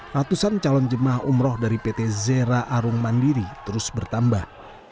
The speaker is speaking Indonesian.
ratusan calon jemaah umroh dari pt zera arung mandiri terus bertambah